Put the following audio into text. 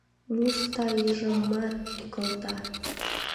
Мустайжымат тӱкалта